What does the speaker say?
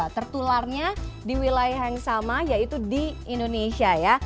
tertularnya di wilayah yang sama yaitu di indonesia ya